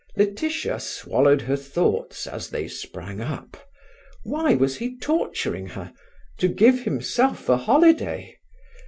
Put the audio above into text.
Laetitia swallowed her thoughts as they sprang up. Why was he torturing her? to give himself a holiday?